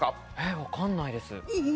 分かんないです。